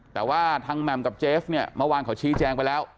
แต่ว่าทางแหม่มกับเจฟเนี่ยเมื่อวานเขาชี้แจงไปแล้ว